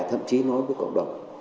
thậm chí nói với cộng đồng